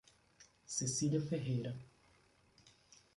Cecilia Ferreira